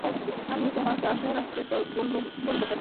আমি তোমাকে আশা রাখতে বলব কেন।